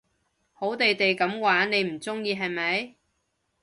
好地地噉玩你唔中意係咪？